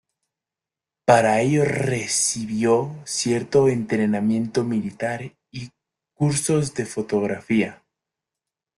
Para ello recibió cierto entrenamiento militar y cursos de fotografía.